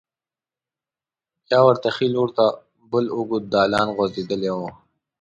بیا ورته ښې لور ته بل اوږد دالان غوځېدلی و.